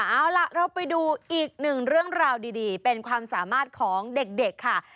เอาล่ะเราไปดูอีกหนึ่งเรื่องราวดีเป็นความสามารถของเด็กค่ะ